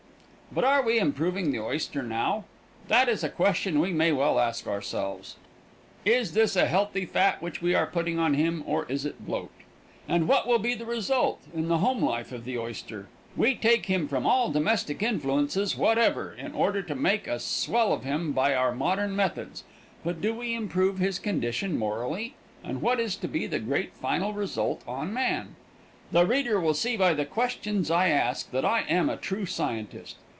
But are we improving the oyster now? That is a question we may well ask ourselves. Is this a healthy fat which we are putting on him, or is it bloat? And what will be the result in the home life of the oyster? We take him from all domestic influences whatever in order to make a swell of him by our modern methods, but do we improve his condition morally, and what is to be the great final result on man? The reader will see by the questions I ask that I am a true scientist.